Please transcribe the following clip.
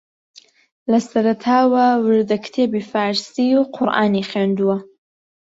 لە سەرەتاوە وردەکتێبی فارسی و قورئانی خوێندووە